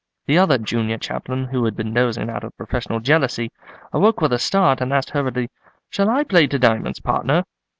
The other junior chaplain, who had been dozing out of professional jealousy, awoke with a start and asked hurriedly, 'Shall I play to diamonds, partner?